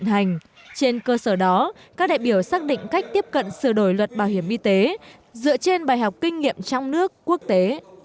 trên cơ sở đó các đại biểu xác định cách tiếp cận sửa đổi luật bảo hiểm y tế dựa trên bài học kinh nghiệm trong nước quốc tế